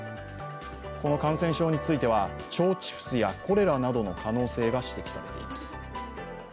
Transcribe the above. この感染症については腸チフスやコレラなどの可能性が指摘されています。